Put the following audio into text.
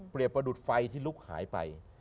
เปรียบประดุษไฟที่ลุกหายไป